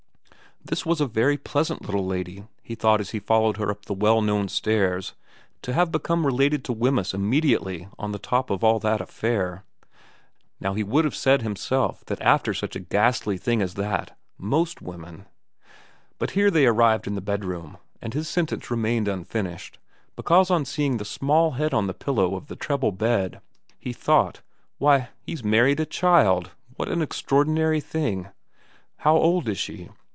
This was a very pleasant little lady, he thought as he followed her up the well known stairs, to have become related to Wemyss immediately on the top of all that affair. Now he would have said himself that after such a ghastly thing as that most women But here they arrived in the bedroom and his sen tence remained unfinished, because on seeing the small head on the pillow of the treble bed he thought, ' Why, he's married a child. What an extraordinary thing.' * How old is she